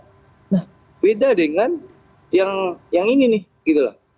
nah beda dengan yang ini nih